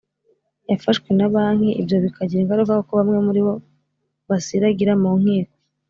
yafashwe na banki ibyo bikagira ingaruka kuko bamwe muri bo basiragira mu nkiko